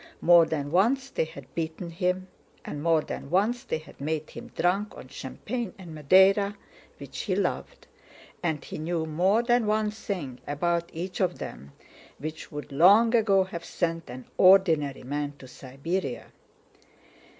More than once they had beaten him, and more than once they had made him drunk on champagne and Madeira, which he loved; and he knew more than one thing about each of them which would long ago have sent an ordinary man to Siberia.